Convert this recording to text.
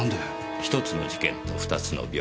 １つの事件と２つの病死。